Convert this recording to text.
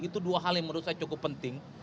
itu dua hal yang menurut saya cukup penting